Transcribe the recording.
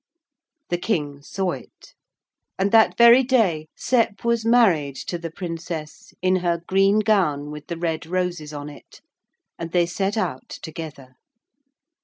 The King saw it. And that very day Sep was married to the Princess in her green gown with the red roses on it, and they set out together.